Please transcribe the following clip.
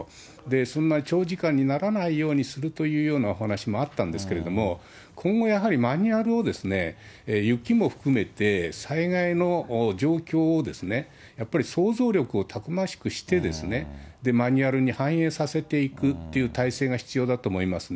そんな長時間にならないようにするというお話もあったんですけれども、今後、やはりマニュアルを、雪も含めて、災害の状況をやっぱり想像力をたくましくして、マニュアルに反映させていくっていう体制が必要だと思いますね。